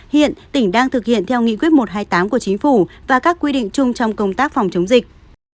hiện tỉnh đang thực hiện theo nghị quyết một trăm hai mươi tám của chính phủ và các quy định chung trong công tác phòng chống dịch